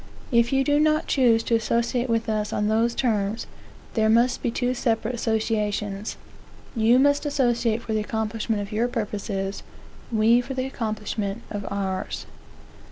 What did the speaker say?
If you do not choose to associate with us on those terms, there must be two separate associations. You must associate for the accomplishment of your purposes; we for the accomplishment of ours."